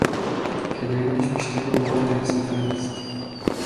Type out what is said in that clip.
پدرش بیشتر اوقات در سفر است.